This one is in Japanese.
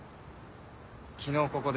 昨日ここで。